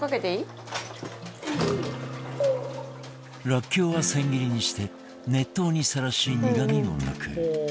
らっきょうは千切りにして熱湯にさらし苦みを抜く